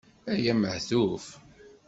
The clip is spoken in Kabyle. Ay amehtuf!